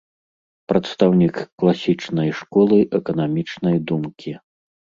Прадстаўнік класічнай школы эканамічнай думкі.